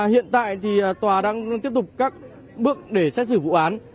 hiện tại thì tòa đang tiếp tục các bước để xét xử vụ án